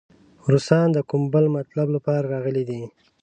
روسان د کوم بل مطلب لپاره راغلي دي.